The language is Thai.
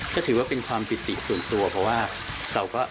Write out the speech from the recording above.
ที่ถือว่าเป็นความผิดติดจนการหมายเพราะว่า